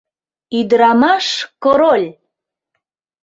— Ӱдырамаш король!